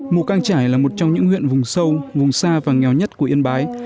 mù căng trải là một trong những huyện vùng sâu vùng xa và nghèo nhất của yên bái